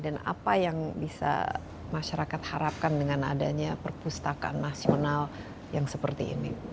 dan apa yang bisa masyarakat harapkan dengan adanya perpustakaan nasional yang seperti ini